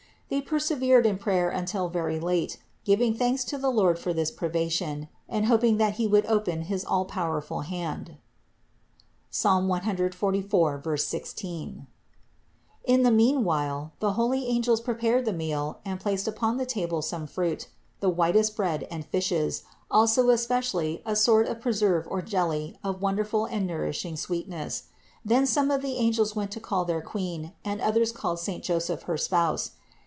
They persevered in prayer until very late, giving thanks to the Lord for this privation, and hoping that He would open his all powerful hand (Ps. 144, 16). In the mean THE INCARNATION 359 while the holy angels prepared the meal and placed upon the table some fruit, and whitest bread and fishes, also especially a sort of preserve or jelly of wonderful and nourishing sweetness. Then some of the angels went to call their Queen, and others called saint Joseph her spouse.